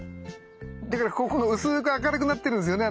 だからここが薄く明るくなってるんですよね？